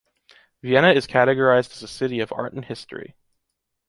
Vienna is categorized as a city of art and history.